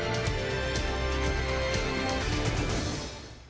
แค่ไหนละ